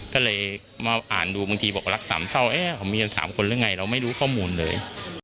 ก็เลยมาอ่านดูบางทีบอกว่ารักสามเศร้าเอ๊ะผมมีกัน๓คนหรือไงเราไม่รู้ข้อมูลเลย